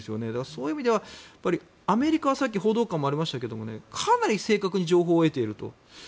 そういう意味では、アメリカはさっき報道官もありましたがかなり正確に情報を得ていると。